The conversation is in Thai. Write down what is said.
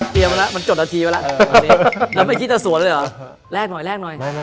เตรียมแล้วมันจดนาทีไปแล้วแล้วไม่คิดจะสวนเลยหรอแรกหน่อย